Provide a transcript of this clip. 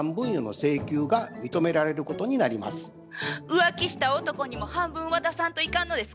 浮気した男にも半分渡さんといかんのですか？